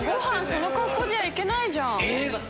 その格好じゃ行けないじゃん。